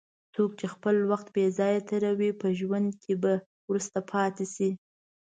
څوک چې خپل وخت بې ځایه تېروي، په ژوند کې به وروسته پاتې شي.